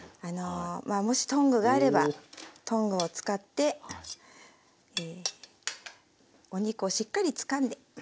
もしトングがあればトングを使ってお肉をしっかりつかんで下さい。